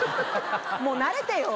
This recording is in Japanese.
もう慣れてよ。